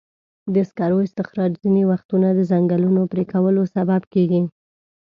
د سکرو استخراج ځینې وختونه د ځنګلونو پرېکولو سبب کېږي.